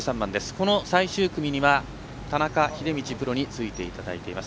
この最終組には田中秀道プロについていただいています。